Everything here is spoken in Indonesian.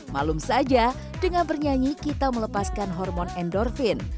malum saja dengan bernyanyi kita melepaskan hormon endorfin